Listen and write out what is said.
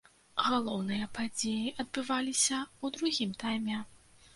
Галоўныя падзеі адбываліся ў другім тайме.